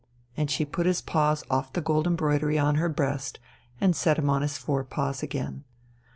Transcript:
And she put his paws off the gold embroidery on her breast, and set him on his four paws again.